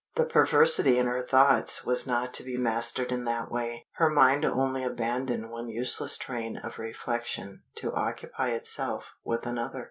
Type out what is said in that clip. The perversity in her thoughts was not to be mastered in that way. Her mind only abandoned one useless train of reflection to occupy itself with another.